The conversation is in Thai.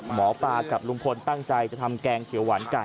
หมอปลากับลุงพลตั้งใจจะทำแกงเขียวหวานไก่